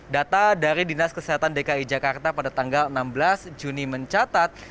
data dari dinas kesehatan dki jakarta pada tanggal enam belas juni mencatat